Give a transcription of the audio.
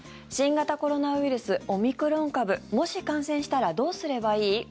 新型コロナウイルスオミクロン株もし感染したらどうすればいい？